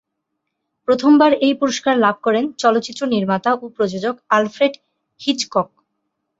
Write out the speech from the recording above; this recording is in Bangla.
প্রথম বার এই পুরস্কার লাভ করেন চলচ্চিত্র নির্মাতা ও প্রযোজক অ্যালফ্রেড হিচকক।